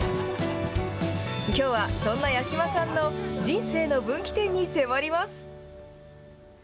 きょうは、そんな八嶋さんの人生の分岐点に迫ります。